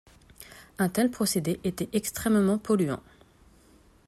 Un tel procédé était extrêmement polluant.